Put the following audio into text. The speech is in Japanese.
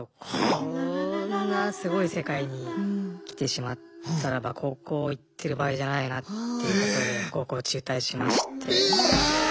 こんなすごい世界に来てしまったらば高校行ってる場合じゃないなっていうことで高校を中退しまして。